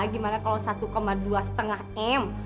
gimana kalau satu dua lima m